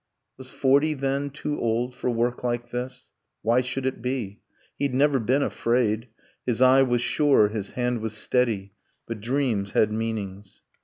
Was forty, then, too old for work like this? Why should it be? He'd never been afraid His eye was sure, his hand was steady ... But dreams had meanings.